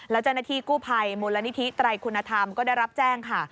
และเจ้าหน้าที่กู้ภัยมูลนิธิไตรคุณธรรมก็ได้รับแจ้งค่ะ